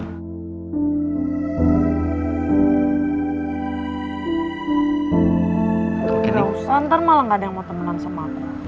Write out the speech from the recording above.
ntar malah gak ada yang mau temenan sama aku